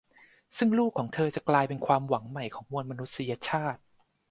ซึ่งลูกของเธอจะกลายเป็นความหวังใหม่ของมวลมนุษยชาติ